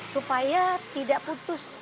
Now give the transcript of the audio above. supaya tidak putus hubungan